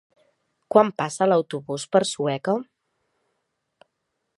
Quan passa l'autobús per Sueca?